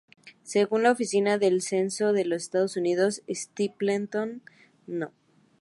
Según la Oficina del Censo de los Estados Unidos, Stapleton No.